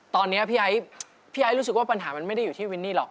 ตอนนี้พี่ไอ้รู้สึกว่าปัญหามันไม่ได้อยู่ที่วินนี่หรอก